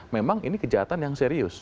memang ini kejahatan yang serius